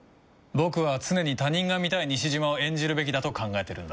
僕は常に他人が見たい西島を演じるべきだと考えてるんだ。